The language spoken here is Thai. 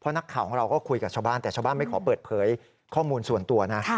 นักข่าวของเราก็คุยกับชาวบ้านแต่ชาวบ้านไม่ขอเปิดเผยข้อมูลส่วนตัวนะ